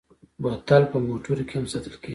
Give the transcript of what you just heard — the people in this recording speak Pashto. بوتل د موټرو کې هم ساتل کېږي.